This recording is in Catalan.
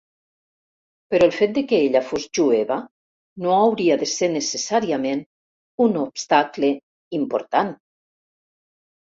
Però el fet de que ella fos jueva no hauria de ser necessàriament un obstacle important.